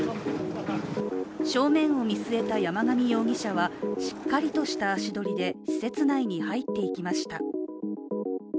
正面を見据えた山上容疑者は、しっかりとした足取りで施設内に入っていきました。